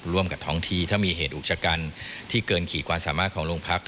กับท้องที่ถ้ามีเหตุอุกชะกันที่เกินขีดความสามารถของโรงพัก